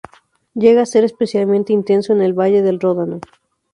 Llega a ser especialmente intenso en el valle del Ródano.